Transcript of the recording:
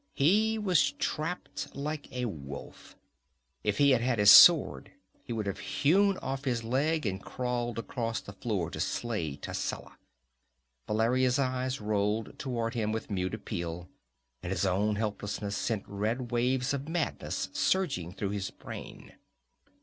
He was trapped, like a wolf. If he had had his sword he would have hewn off his leg and crawled across the floor to slay Tascela. Valeria's eyes rolled toward him with mute appeal, and his own helplessness sent red waves of madness surging through his brain.